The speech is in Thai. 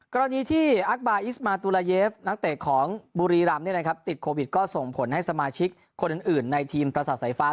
กรณีที่อักบาอิสมาตุลาเยฟนักเตะของบุรีรำติดโควิดก็ส่งผลให้สมาชิกคนอื่นในทีมประสาทสายฟ้า